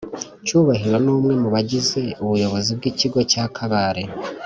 cyubahiro numwe mubagize ubuyozi bwikigo cya kabare